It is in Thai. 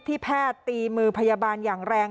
แพทย์ตีมือพยาบาลอย่างแรง